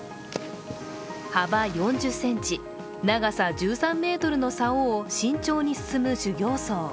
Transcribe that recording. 幅４０ｃｍ、長さ１３ｍのさおを慎重に進む修行僧。